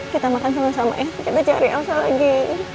kita makan sama sama eh kita cari elsa lagi